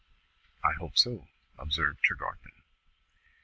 "I hope so," observed Tregarthen.